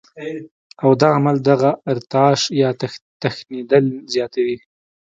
او دا عمل دغه ارتعاش يا تښنېدل زياتوي